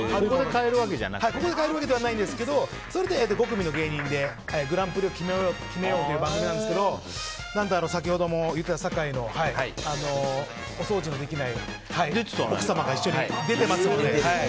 ここで買えるわけではないんですけどそれで５組の芸人でグランプリを決めようという番組なんですけど先ほども言ったんですけど坂井のお掃除のできない奥様が一緒に出てますので。